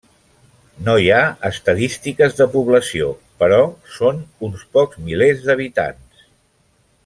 No hi ha estadístiques de població però són uns pocs milers d'habitants.